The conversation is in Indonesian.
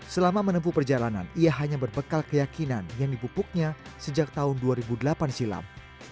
selama menempuh perjalanan ia hanya berbekal keyakinan yang dipupuknya sejak tahun dua ribu delapan silam